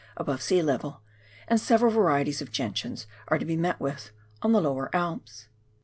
above sea level, and several varieties of gentians are to be met witb on the lower Alps.